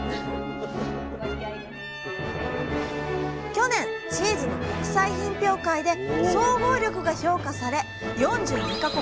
去年チーズの国際品評会で総合力が評価され４２か国